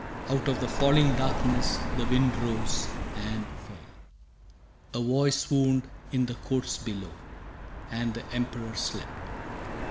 Out of the falling darkness the wind rose And fell. A voice swooned in the courts below. And the Emperor slept.